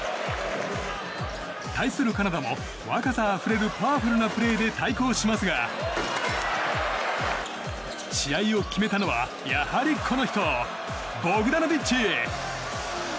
対するカナダも、若さあふれるパワフルなプレーで対抗しますが試合を決めたのはやはりこの人、ボグダノビッチ！